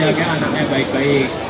mau mau dijaga anaknya baik baik